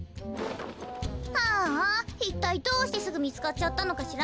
ああいったいどうしてすぐみつかっちゃったのかしら。